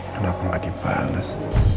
kenapa nggak dibales